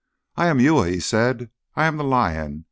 "I am Uya," he said; "I am the Lion.